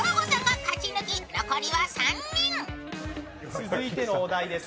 続いてのお題です。